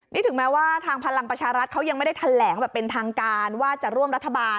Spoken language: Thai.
นี่ถึงแม้ว่าทางพลังประชารัฐเขายังไม่ได้แถลงแบบเป็นทางการว่าจะร่วมรัฐบาล